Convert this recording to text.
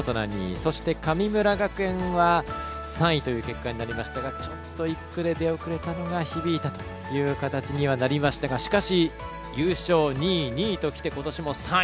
そして、神村学園は３位という結果になりましたがちょっと１区で出遅れたのが響いた形にはなりましたがしかし、優勝、２位、２位ときてことしも３位。